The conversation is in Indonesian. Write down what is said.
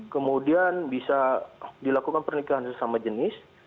kemudian bisa dilakukan pernikahan sesama jenis